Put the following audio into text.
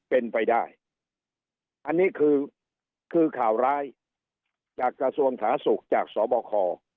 เป็นไปได้อันนี้คือคือข่าวร้ายจากกระทรวงสาธารณสุขจากสบค